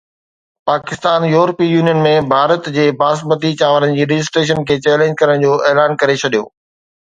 Pakistan European union ۾ Bharat جي باسمتي چانورن جي رجسٽريشن کي چئلينج ڪرڻ جو اعلان ڪري ڇڏيو